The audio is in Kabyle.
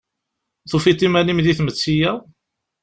Tufiḍ iman-im di tmetti-a?